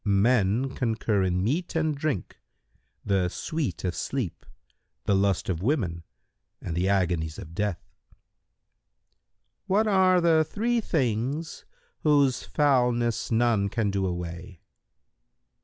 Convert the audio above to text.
"—"Men concur in meat and drink, the sweet of sleep, the lust of women and the agonies of death." Q "What are the three things whose foulness none can do away?"